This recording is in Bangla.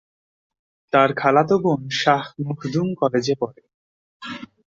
তার খালাতো বোন শাহ মখদুম কলেজে পড়ে।